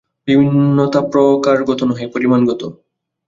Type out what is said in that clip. বিভিন্নতা প্রকারগত নহে, পরিমাণগত।